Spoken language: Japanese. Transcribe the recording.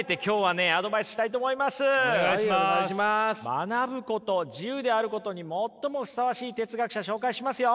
学ぶこと自由であることに最もふさわしい哲学者紹介しますよ！